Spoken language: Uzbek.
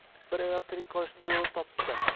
bir ayol tirik qolishning yo’lini topibdi.